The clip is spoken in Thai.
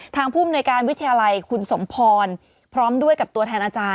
ภูมิในการวิทยาลัยคุณสมพรพร้อมด้วยกับตัวแทนอาจารย์